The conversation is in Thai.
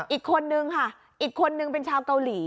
อีกคนนึงค่ะอีกคนนึงเป็นชาวเกาหลี